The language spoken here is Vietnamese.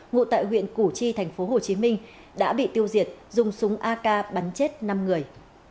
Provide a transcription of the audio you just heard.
ngụ tại huyện củ chi tp hcm đã bị tiêu diệt dùng súng ak bắn chết năm người